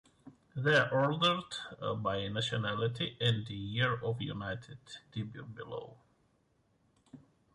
They are ordered by nationality and year of United debut below.